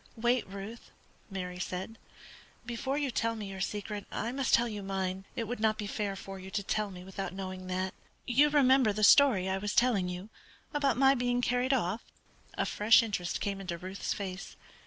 "Wait, Ruth," Mary said; "before you tell me your secret I must tell you mine. It would not be fair for you to tell me without knowing that. You remember the story I was telling you about my being carried off?" A fresh interest came into Ruth's face.